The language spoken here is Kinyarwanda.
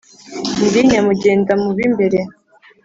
ndi nyamugendamubimbere,